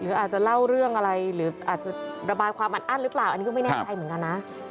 อาจจะเล่าเรื่องอะไรหรืออาจจะระบายความอัดอั้นหรือเปล่าอันนี้ก็ไม่แน่ใจเหมือนกันนะ